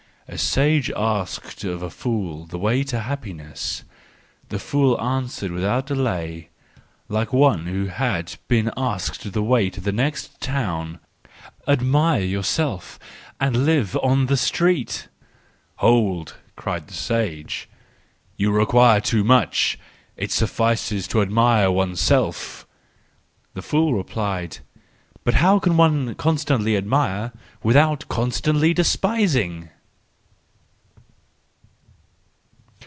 —A sage asked of a fool the way to happiness. The fool answered without delay, like one who had been asked the way to the next town: " Admire yourself, and live on the street! "" Hold," cried the sage, " you require too much; it suffices to admire oneself!" The fool replied: " But how can one constantly admire without constantly despising